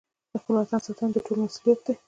د خپل وطن ساتنه د ټولو مسوولیت دی.